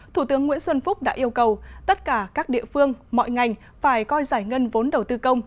thủ tướng nguyễn xuân phúc đã yêu cầu tất cả các địa phương mọi ngành phải coi giải ngân vốn đầu tư công